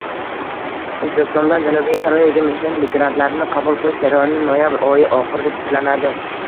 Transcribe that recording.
O‘zbekistondan Janubiy Koreyaga mehnat migrantlarini qabul qilish jarayoni noyabr oyi oxirida tiklanadi